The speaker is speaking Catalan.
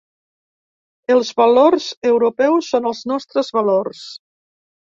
Els valors europeus són els nostres valors.